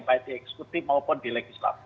baik di eksekutif maupun di legislatif